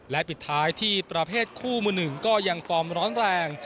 และปิดท้ายที่ประเภทคู่มือหนึ่งก็ยังฟอร์มร้อนแรง